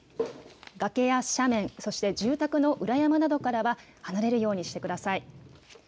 崖や斜面、そして住宅の裏山などからは離れるようにしてください。